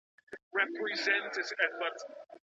ايا د هغوی ارزښت بيانول ورته ښه احساس ورکوي؟